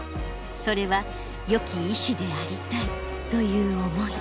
それはよき医師でありたいという思い。